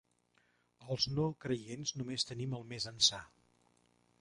Els no creients només tenim el més ençà.